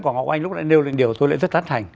của ngọc oanh lúc nãy nêu lên điều tôi lại rất tán thành